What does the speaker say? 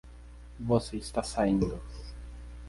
Você está saindo